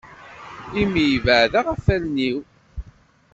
Imi ibɛed-aɣ ɣef allen-im.